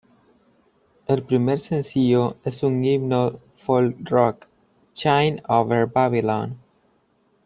El primer sencillo es un himno folk-rock, "Shine Over Babylon".